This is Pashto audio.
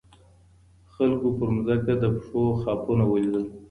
خلګو پر ځمکه د پښو خاپونه ولیدل.